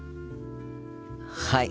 はい。